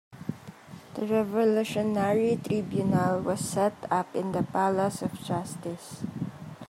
The Revolutionary Tribunal was set up in the Palace of Justice.